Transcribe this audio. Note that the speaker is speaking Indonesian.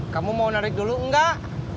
kamu mau narik dulu enggak